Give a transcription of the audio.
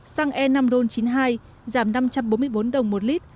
xăng e năm ron chín mươi hai giảm năm trăm bốn mươi bốn đồng một lít